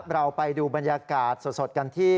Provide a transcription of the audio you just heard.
เราไปดูบรรยากาศสดกันที่